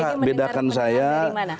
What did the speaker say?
jadi bang egy mendengar dengar dari mana